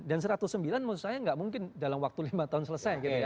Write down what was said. dan satu ratus sembilan menurut saya gak mungkin dalam waktu lima tahun selesai gitu ya